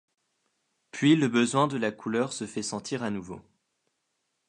Puis le besoin de la couleur se fait sentir à nouveau.